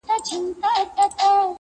د دې وطن یې په قسمت کي دی ماښام لیکلی -